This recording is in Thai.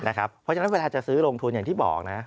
เพราะฉะนั้นเวลาจะซื้อลงทุนอย่างที่บอกนะ